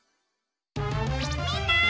みんな！